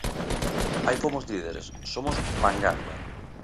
Aí fomos líderes, ¡somos vangarda!